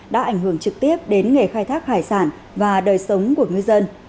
đã ảnh hưởng trực tiếp đến nghề khai thác hải sản và đời sống của ngư dân